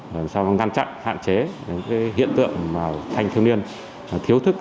làm sao ngăn chặn hạn chế những hiện tượng thanh thiếu niên thiếu thức